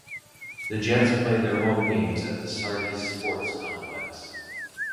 The Jets play their home games at the Sardis Sports Complex.